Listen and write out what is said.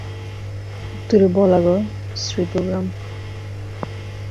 উত্তরে বলাগড়-শ্রীপুর গ্রাম।